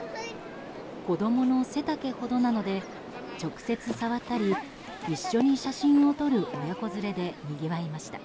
子供の背丈ほどなので直接触ったり一緒に写真を撮る親子連れでにぎわいました。